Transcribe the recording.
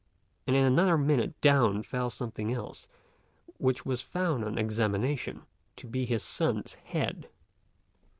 and in another minute down fell something else, which was found on examination to be his son's head.